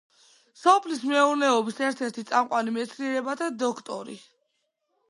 სოფლის მეურნეობის ერთ-ერთი წამყვანი მეცნიერებათა დოქტორი.